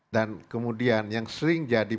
dan kemudian yang sering jadi